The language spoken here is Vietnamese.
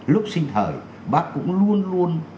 lúc sinh thời bác cũng luôn luôn